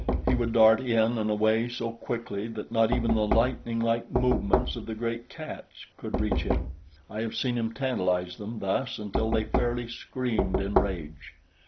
He would dart in and away so quickly that not even the lightning like movements of the great cats could reach him. I have seen him tantalize them thus until they fairly screamed in rage.